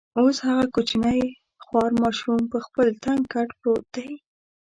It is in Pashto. اوس هغه کوچنی خوار ماشوم پر خپل تنګ کټ پروت دی.